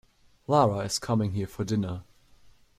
Lara is coming here for dinner.